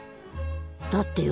だってよ